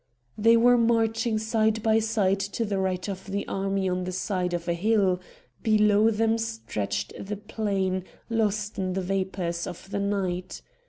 They were marching side by side to the right of the army on the side of a hill; below them stretched the plain lost in the vapours of the night.